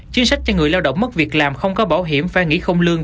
chuyên sách cho người lao động mất việc làm không có bảo hiểm phải nghỉ không lương